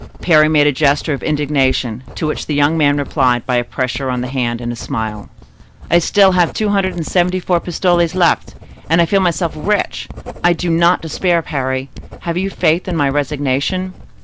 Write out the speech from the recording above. Parry made a gesture of indignation, to which the young man replied by a pressure of the hand and a smile. "I have still two hundred and seventy four pistoles left and I feel myself rich. I do not despair, Parry; have you faith in my resignation?"